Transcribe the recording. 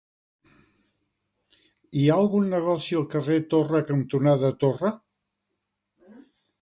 Hi ha algun negoci al carrer Torre cantonada Torre?